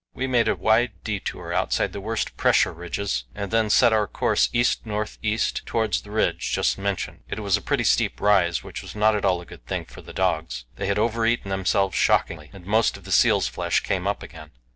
We made a wide detour outside the worst pressure ridges, and then set our course east north east towards the ridge just mentioned. It was a pretty steep rise, which was not at all a good thing for the dogs. They had overeaten themselves shockingly, and most of the seal's flesh came up again.